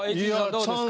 どうですか？